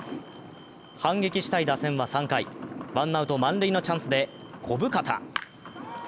反撃したい打線は３回、ワンアウト満塁のチャンスで小深田。